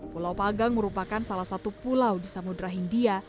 pulau pagang merupakan salah satu pulau di samudera hindia